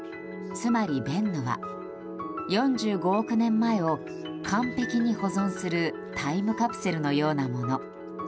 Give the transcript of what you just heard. つまり、ベンヌは４５億年前を完璧に保存するタイムカプセルのようなもの。